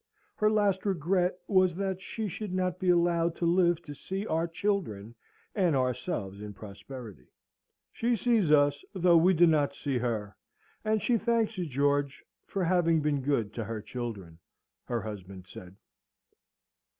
Her last regret was that she should not be allowed to live to see our children and ourselves in prosperity. "She sees us, though we do not see her; and she thanks you, George, for having been good to her children," her husband said.